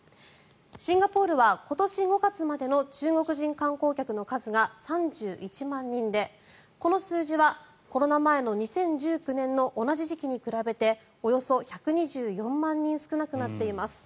シンガポールは今年５月までの中国人観光客の数が３１万人で、この数字はコロナ前の２０１９年の同じ時期に比べておよそ１２４万人少なくなっています。